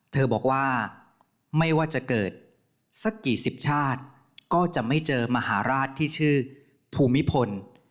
เธอบอกว่าไม่ว่าจะเกิดสักกี่สิบชาติก็จะไม่เจอมหาราชที่ชื่อภูมิพล